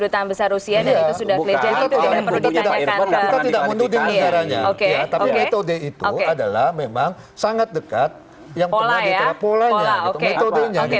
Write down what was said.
tapi metode itu adalah memang sangat dekat yang pernah diterapolanya